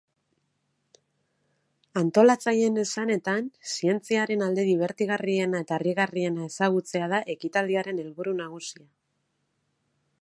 Antolatzaileen esanetan, zientziaren alde dibertigarriena eta harrigarriena ezagutzea da ekitaldiaren helburu nagusia.